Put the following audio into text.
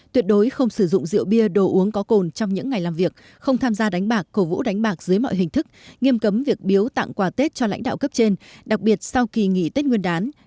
tuyệt đối không sử dụng rượu bia đồ uống có cồn trong những ngày làm việc không tham gia đánh bạc cầu vũ đánh bạc dưới mọi hình thức nghiêm cấm việc biếu tặng quà tết cho lãnh đạo cấp trên đặc biệt sau kỳ nghỉ tết nguyên đán